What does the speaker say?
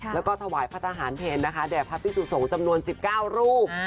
และถวายพระทหารเพลแดดพระพิสุทธิ์สงฆ์จำนวน๑๙รูป